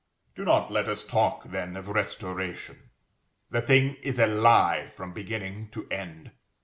Do not let us talk then of restoration. The thing is a Lie from beginning to end.